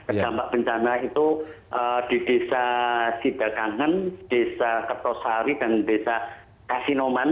dampak bencana itu di desa sidakangan kertosari dan kasinoman